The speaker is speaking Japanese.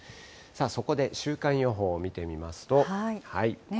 そこで週間予報を見てみますと。